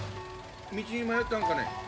道に迷ったんかね？